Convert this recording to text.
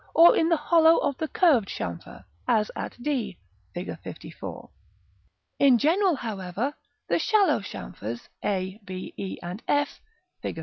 or in the hollow of the curved chamfer, as d, Fig. LIV. In general, however, the shallow chamfers, a, b, e, and f, Fig.